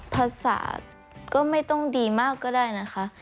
ภาษาก็ไม่ต้องดีมากก็ได้นะคะ